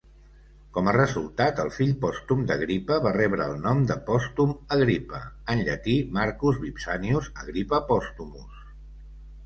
Com a resultat, el fill pòstum d'Agripa va rebre el nom de Pòstum Agripa (en llatí, Marcus Vipsanius Agrippa Postumus).